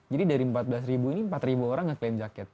jadi dari empat belas ini empat orang yang claim jaket